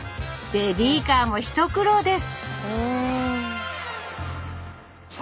ベビーカーも一苦労です